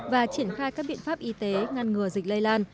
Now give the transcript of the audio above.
và triển khai các biện pháp y tế ngăn ngừa dịch